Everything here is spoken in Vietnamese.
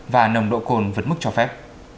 và nồng độ cồn vấn mức cho phép